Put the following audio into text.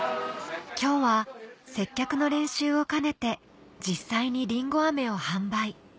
今日は接客の練習を兼ねて実際にりんご飴を販売